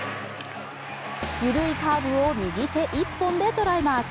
緩いカーブを右手一本でとらえます。